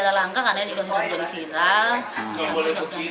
langkah langkah karena ini tidak menjadi viral